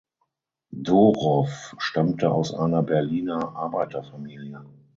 Dorow stammte aus einer Berliner Arbeiterfamilie.